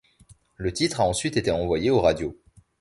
Le titre a ensuite été envoyé aux radios.